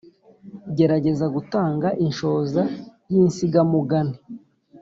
gerageza gutanga inshoza y’insigamugani.